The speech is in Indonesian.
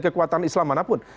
kekuatan islam manapun